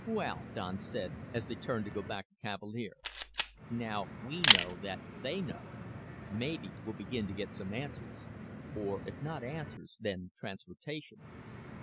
"Well," Don said as they turned to go back to Cavalier, "now we know that they know. Maybe we'll begin to get some answers. Or, if not answers, then transportation."